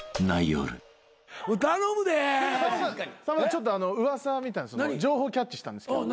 ちょっと噂みたいな情報をキャッチしたんですけど。